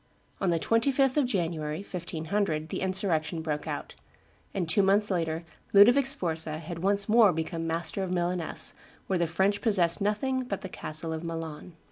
On the 25th of January, 1500, the insurrection broke out; and two months later Ludovic Sforza had once more become master of Milaness, where the French possessed nothing but the castle of Milan.